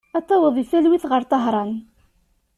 Ad taweḍ deg talwit ɣer Tahran.